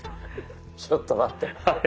ちょっと待って。